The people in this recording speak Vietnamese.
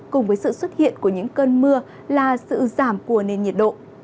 cùng với sự xuất hiện của những cơn mưa là sự giảm của nền nhiệt độ